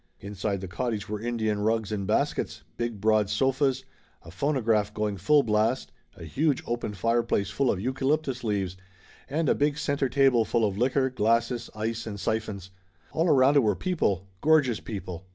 Inside the cottage were Indian rugs and baskets, big broad sofas, a phonograph going full blast, a huge open fireplace full of eucalyptus leaves, and a big center table full of liquor, glasses, ice and siphons. All around it were people, gorgeous people.